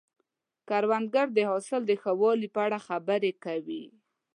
کروندګر د حاصل د ښه والي په اړه خبرې کوي